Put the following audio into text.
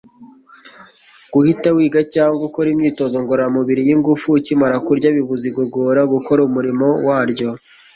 guhita wiga cyangwa ukora imyitozo ngororamubiri y'ingufu ukimara kurya bibuza igogora gukora umurimo waryo